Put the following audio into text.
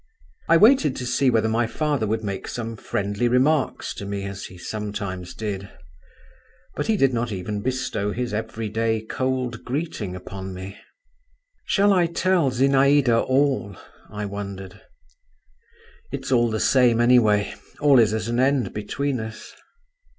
I waited to see whether my father would make some friendly remarks to me, as he sometimes did…. But he did not even bestow his everyday cold greeting upon me. "Shall I tell Zinaïda all?" I wondered…. "It's all the same, anyway; all is at an end between us."